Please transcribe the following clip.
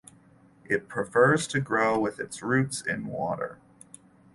It prefers to grow with its roots in water.